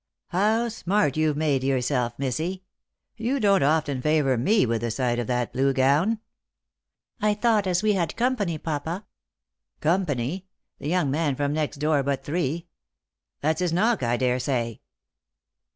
How smart you've made yourself, missy I Tou don't often favour me with the sight of that blue gown." " I thought as we had company, papa "" Company ! the young man from next door but three ! That's his knock, I daresay."